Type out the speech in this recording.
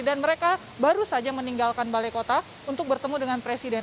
dan mereka baru saja meninggalkan balai kota untuk bertemu dengan presiden